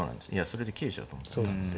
それで切れちゃうと思ったんで。